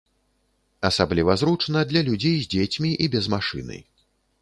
Асабліва зручна для людзей з дзецьмі і без машыны.